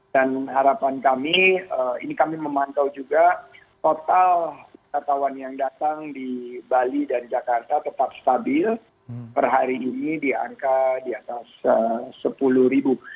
dan harapan kami ini kami memantau juga total pesertawan yang datang di bali dan jakarta tetap stabil per hari ini di angka di atas sepuluh ribu